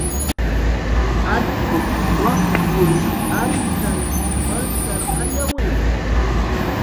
Atquq wakchkun arysann walptarqayawi.